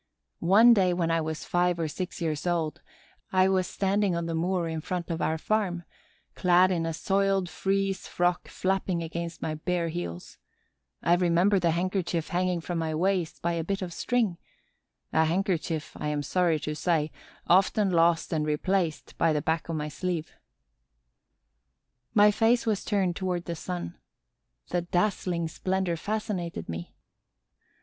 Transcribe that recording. One day when I was five or six years old I was standing on the moor in front of our farm, clad in a soiled frieze frock flapping against my bare heels: I remember the handkerchief hanging from my waist by a bit of string,—a handkerchief, I am sorry to say, often lost and replaced by the back of my sleeve. My face was turned toward the sun. The dazzling splendor fascinated me.